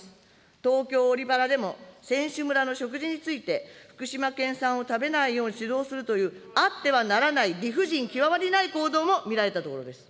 東京オリパラでも、選手村の食事について、福島県産品を食べないよう、指導するという、あってはならない理不尽極まりない行動も見られたところです。